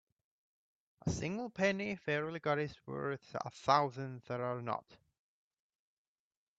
A single penny fairly got is worth a thousand that are not.